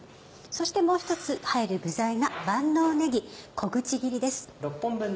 そしてもう一つ入る具材が万能ねぎ小口切りです。